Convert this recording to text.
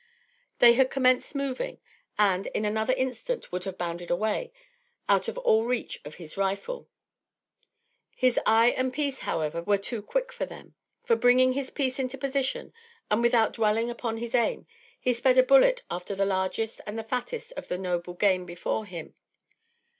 They had commenced moving; and, in another instant, would have bounded away, out of all reach of his rifle. His eye and piece, however, were too quick for them; for, bringing his piece into position and without dwelling upon his aim, he sped a bullet after the largest and the fattest of the noble game before him.